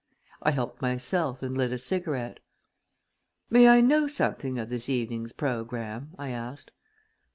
I helped myself and lit a cigarette. "May I know something of this evening's program?" I asked.